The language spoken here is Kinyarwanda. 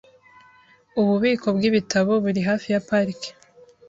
Ububiko bwibitabo buri hafi ya parike .